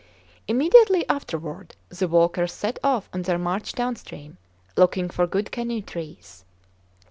Immediately afterward the walkers set off on their march downstream, looking for good canoe trees.